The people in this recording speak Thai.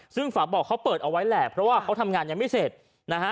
ซึ่งฝาบ่อเขาเปิดเอาไว้แหละเพราะว่าเขาทำงานยังไม่เสร็จนะฮะ